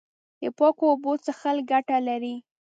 د پاکو اوبو څښل ګټه لري.